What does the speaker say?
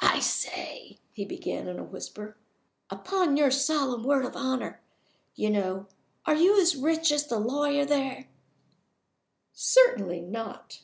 "I say!" he began, in a whisper. "Upon your solemn word of honor, you know are you as rich as the lawyer there?" "Certainly not."